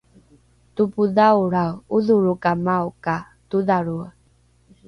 topodhaolae odholrokamao ka todhalroe